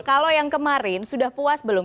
kalau yang kemarin sudah puas belum